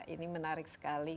ini menarik sekali